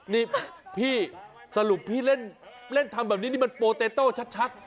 นี่พี่สรุปพี่เล่นทำแบบนี้นี่มันโปเตโต้ชัด